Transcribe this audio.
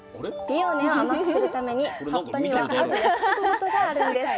ピオーネを甘くするために葉っぱにはある約束事があるんです。